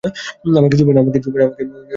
আমাকে ছোঁবে না।